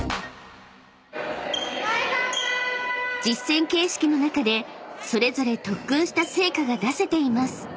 ［実戦形式の中でそれぞれ特訓した成果が出せています］